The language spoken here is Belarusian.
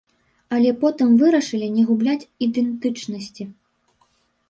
Але потым вырашылі не губляць ідэнтычнасці.